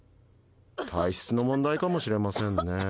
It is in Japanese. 体質の問題かもしれませんね。